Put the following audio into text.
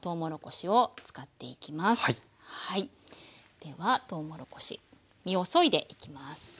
ではとうもろこし実をそいでいきます。